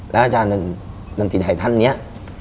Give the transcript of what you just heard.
อาจารย์ดนตรีไทยท่านเนี่ย